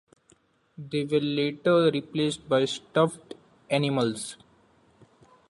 They were later replaced by stuffed animals.